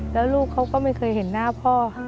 แล้วลูกเขาก็ไม่เคยเห็นหน้าพ่อค่ะ